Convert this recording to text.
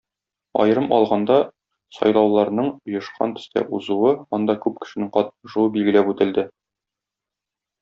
Аерым алганда, сайлауларның оешкан төстә узуы, анда күп кешенең катнашуы билгеләп үтелде.